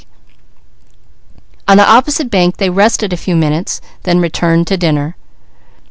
On the opposite bank they rested a few minutes, then returned to dinner.